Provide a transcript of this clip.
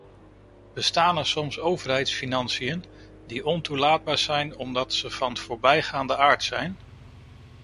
Bestaan er soms overheidsfinanciën die ontoelaatbaar zijn omdat ze van voorbijgaande aard zijn?